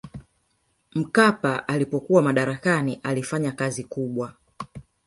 mkapa alipokuwa madarakani alifanya kazi kubwa